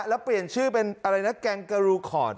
แล้วเปลี่ยนชื่อเป็นกางเกราครล